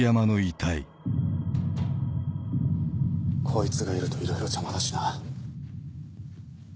こいつがいるといろいろ邪魔だしな。